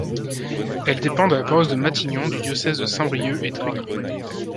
Elle dépend de la paroisse de Matignon du diocèse de Saint-Brieuc et Tréguier.